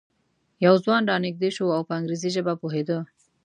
یو ځوان را نږدې شو او په انګریزي ژبه پوهېده.